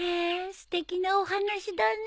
すてきなお話だね。